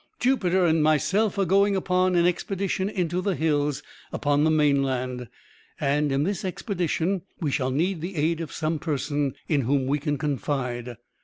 Jupiter and myself are going upon an expedition into the hills, upon the mainland, and, in this expedition, we shall need the aid of some person in whom we can confide.